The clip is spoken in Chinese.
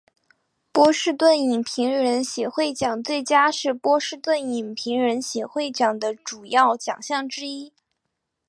波士顿影评人协会奖最佳是波士顿影评人协会奖的主要奖项之一。